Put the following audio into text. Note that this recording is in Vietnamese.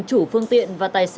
chủ phương tiện và tài sản